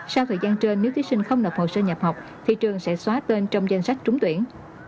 sau thời gian trên nếu thí sinh không nộp hồ sơ nhập học thì trường sẽ xóa tên trong danh sách trúng tuyển